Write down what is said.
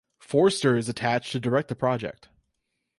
Forster is attached to direct the project.